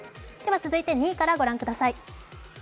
続いて２位からご覧ください。